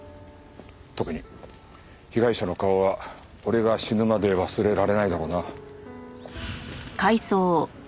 特に被害者の顔は俺が死ぬまで忘れられないだろうな。